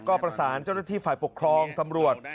ก็ประสานเจ้าหน้าที่ฝ่ายปกครองตำรวจ